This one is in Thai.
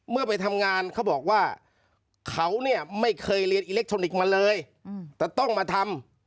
เราเนี่ยไม่เคยเรียนอิเล็กทรอนิกส์มาเลยแต่ต้องมาทำ